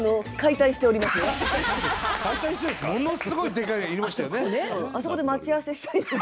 ものすごいでかいのいましたよね。